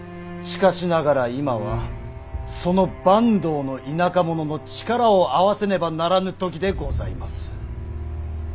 しかしながら今はその坂東の田舎者の力を合わせねばならぬ時でございます。